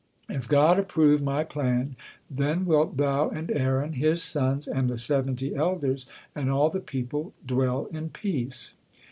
If God approve my plan, then wilt thou and Aaron, his sons and the seventy elders, and all the people dwell in peace."